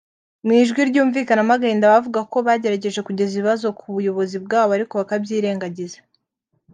Mu ijwi ryumvikanamo agahinda bavuga ko bagerageje kugeza ibi bibazo ku buyobozi bwabo ariko bakabyirengagiza